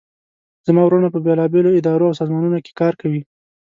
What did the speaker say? زما وروڼه په بیلابیلو اداراو او سازمانونو کې کار کوي